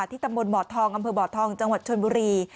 ตำบลบ่อทองอำเภอบ่อทองจังหวัดชนบุรี